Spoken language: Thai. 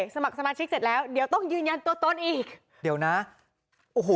สมัครสมาชิกเสร็จแล้วเดี๋ยวต้องยืนยันตัวตนอีกเดี๋ยวนะโอ้โห